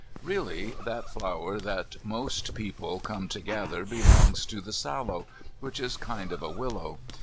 Really, that flower that those people come to gather belongs to the sallow, which is a kind of willow.